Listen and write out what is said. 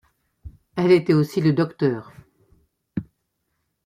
Elle était aussi le Dr.